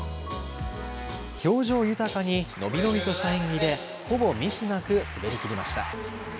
表情豊かに伸び伸びとした演技でほぼミスなく滑りきりました。